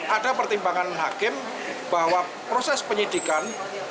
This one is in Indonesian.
ada pertimbangan hakim bahwa proses penyidikan